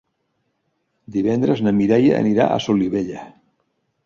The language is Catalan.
Divendres na Mireia anirà a Solivella.